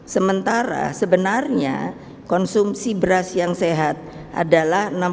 sementara sebenarnya konsumsi beras yang sehat adalah